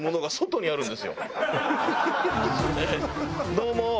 どうも！